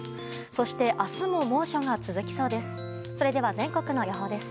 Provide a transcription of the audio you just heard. そして明日も猛暑が続きそうです。